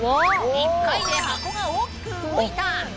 １回で箱が大きく動いた！